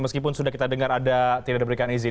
meskipun sudah kita dengar ada tidak diberikan izin